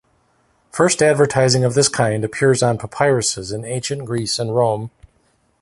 First advertising of this kind appears on papyruses in Ancient Greece and Rome.